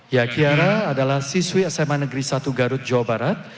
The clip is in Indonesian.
ya kiara adalah siswi sma negeri satu garut jawa barat